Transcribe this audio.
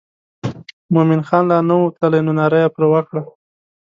مومن خان لا نه و تللی نو ناره یې پر وکړه.